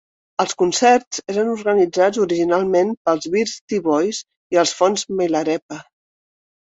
Els concerts eren organitzats originalment pels Beastie Boys i el Fons Milarepa.